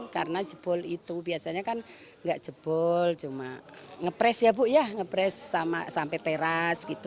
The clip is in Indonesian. karena jebol itu biasanya kan nggak jebol cuma ngepres ya bu ya ngepres sampai teras gitu